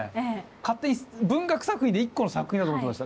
勝手に文学作品で一個の作品だと思ってました。